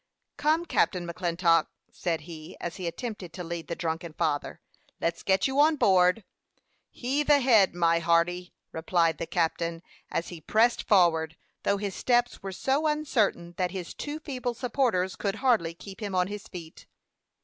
"Come, Captain McClintock," said he, as he attempted to lead the drunken father, "let's go on board." "Heave ahead, my hearty!" replied the captain, as he pressed forward, though his steps were so uncertain that his two feeble supporters could hardly keep him on his feet.